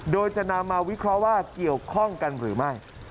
โดยจะนำมาวิเคราะห์ว่าเกี่ยวข้องกันหรือไม่